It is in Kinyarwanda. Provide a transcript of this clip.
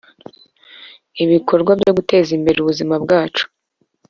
ibikorwa byo guteza imbere ubuzima bwacu